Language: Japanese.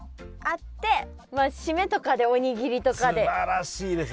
あって締めとかでおにぎりとかで。